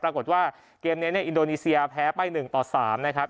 ปรากฏว่าเกมนี้เนี่ยอินโดนีเซียแพ้ไป๑ต่อ๓นะครับ